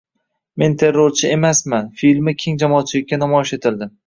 Men terrorchi emasman filmi keng jamoatchilikka namoyish etildi